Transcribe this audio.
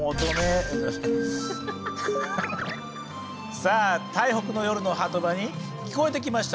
さあ台北の夜の波止場に聞こえてきました